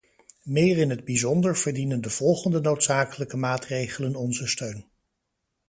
Meer in het bijzonder verdienen de volgende noodzakelijke maatregelen onze steun.